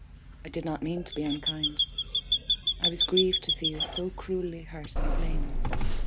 I did not mean to be unkind. I was grieved to see you so cruelly hurt and lame.